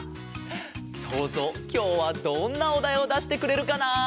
そうぞうきょうはどんなおだいをだしてくれるかな？